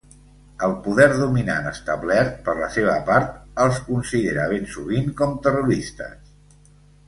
El poder dominant establert, per la seva part, els considera ben sovint com terroristes.